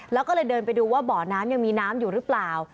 แล้วก็เลยเดินไปดูว่าบ่อน้ำยังมีน้ำอยู่หรือเปล่า